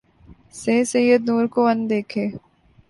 سے سید نور کو ان دیکھے